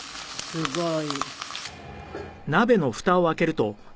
すごい！